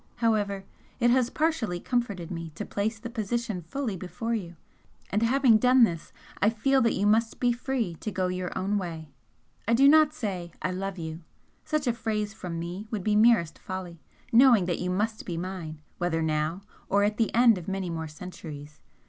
However, it has partially comforted me to place the position fully before you, and having done this I feel that you must be free to go your own way. I do not say 'I love you!' such a phrase from me would be merest folly, knowing that you must be mine, whether now or at the end of many more centuries.